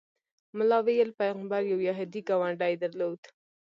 ملا ویل پیغمبر یو یهودي ګاونډی درلود.